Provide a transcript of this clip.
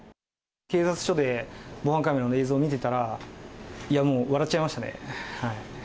警察署で防犯カメラの映像見てたら、いやもう、笑っちゃいましたね。